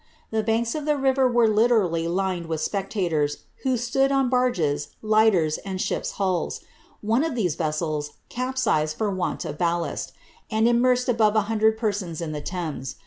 The banks of the river vere literally lined with spectators, who stood on barges, lighters, and ships' hulls ; one of these vessels capsized for want of ballast, and im mersed above a hundred persons in the Thames.